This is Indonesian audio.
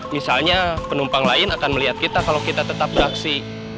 misalnya penumpang lain akan melihat kita kalau kita tetap beraksi